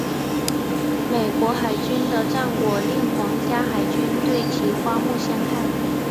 美国海军的战果令皇家海军对其刮目相看。